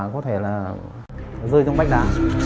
có thể là rơi trong bách đá